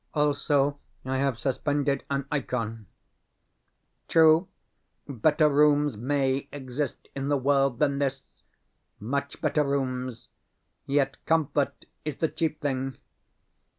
Also, I have suspended an ikon. True, better rooms MAY exist in the world than this much better rooms; yet COMFORT is the chief thing.